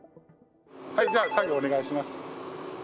はいじゃあ作業をお願いします。